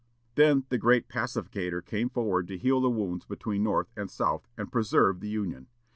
Then the "great pacificator" came forward to heal the wounds between North and South, and preserve the Union.